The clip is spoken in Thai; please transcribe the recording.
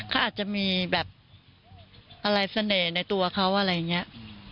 เขาอาจจะมีแบบอะไรเสน่ห์ในตัวเขาอะไรอย่างนี้